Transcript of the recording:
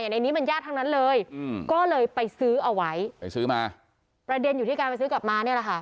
ในนี้มันยากทั้งนั้นเลยก็เลยไปซื้อเอาไว้ไปซื้อมาประเด็นอยู่ที่การไปซื้อกลับมาเนี่ยแหละค่ะ